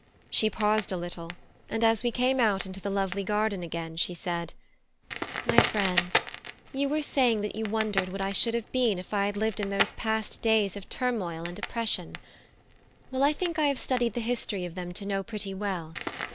She paused a little, and as we came out into the lovely garden again, she said: "My friend, you were saying that you wondered what I should have been if I had lived in those past days of turmoil and oppression. Well, I think I have studied the history of them to know pretty well.